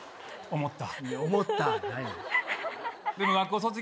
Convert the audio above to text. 思った？